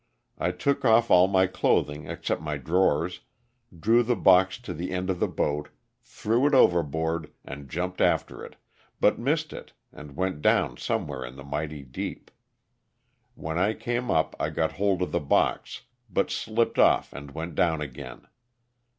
I took off all my clothing except my drawers, drew the box to the end of the boat, threw it overboard and jumped after it but missed it and went down somewhere in the mighty deep. When I came up I got hold of the box, but slipped off and went down again.